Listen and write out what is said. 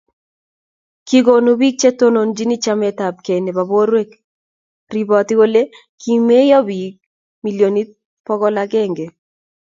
kikonu biik che tononchini chametabgei nebo borwek ripotit kole kimeyo biik milionit bokol agenge